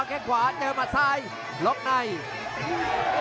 ต้องบอกว่าคนที่จะโชคกับคุณพลน้อยสภาพร่างกายมาต้องเกินร้อยครับ